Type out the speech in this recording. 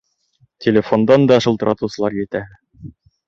Телефондан да шылтыратыусылар етәһе.